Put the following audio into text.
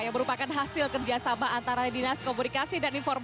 yang merupakan hasil kerjasama antara dinas komunikasi dan informasi